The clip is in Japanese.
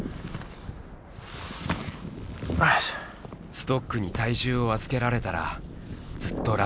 ストックに体重を預けられたらずっと楽なのに。